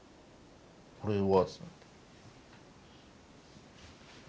これは。